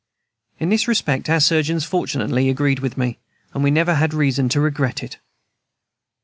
In this respect our surgeons fortunately agreed with me, and we never had reason to regret it.